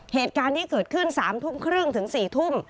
เหตุการณ์ที่เกิดขึ้น๓ทุ่มครึ่งถึง๔ทุ่ม